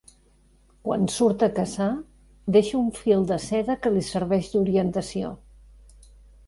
Quan surt a caçar deixa un fil de seda que li serveix d'orientació.